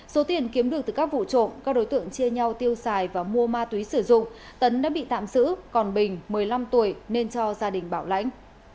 số tiền kiếm được từ các vụ trộm các đối tượng chia nhau tiêu xài và mua ma túy sử dụng tấn đã bị tạm giữ còn bình một mươi năm tuổi nên cho gia đình bảo lãnh